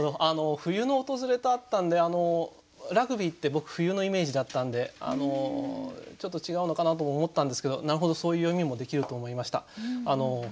あの「冬の訪れ」とあったんでラグビーって僕冬のイメージだったんでちょっと違うのかなとも思ったんですけどなるほどそういう読みもできると思いました。